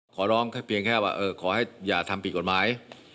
ขอร้องแค่เพียงแค่ว่าขอให้อย่าทำผิดกฎหมาย